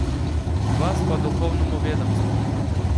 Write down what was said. Вас по духовному ведомству.